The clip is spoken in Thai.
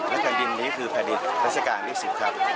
และกันยิ่งนี้คือภาษาการณ์ที่๑๐ครับ